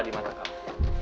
di mata kamu